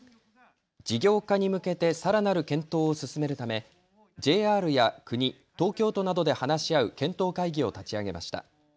事業化に向けてさらなる検討を進めるためＪＲや国、東京都などで話し合う検討会議を立ち上げました。